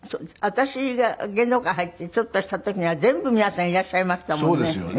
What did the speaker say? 私が芸能界入ってちょっとした時には全部皆さんいらっしゃいましたもんね。